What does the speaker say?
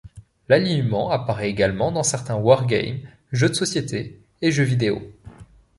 L'alignement apparaît également dans certains wargames, jeux de société et jeux vidéo.